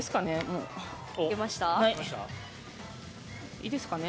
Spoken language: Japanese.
いいですかね？